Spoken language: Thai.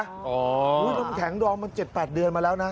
อุ๊ยลุ้มแข็งดรองมา๗๘เดือนมาแล้วนะ